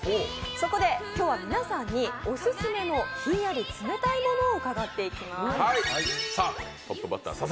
そこで今日は皆さんにオススメのひんやり冷たいものを伺っていきます。